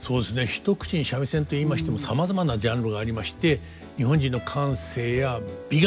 一口に三味線と言いましてもさまざまなジャンルがありまして発展してるんだ。